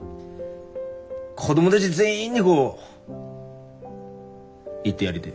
子供だぢ全員にこう言ってやりてえ。